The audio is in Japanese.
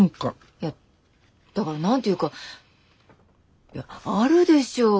いやだから何て言うかあるでしょ？